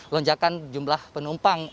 lonjakan jumlah penumpang